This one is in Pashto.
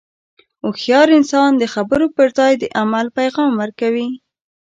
هوښیار انسان د خبرو پر ځای د عمل پیغام ورکوي.